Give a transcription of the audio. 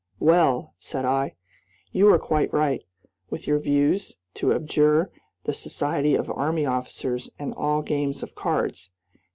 "Well," said I, "you are quite right, with your views, to abjure the society of army officers and all games of cards.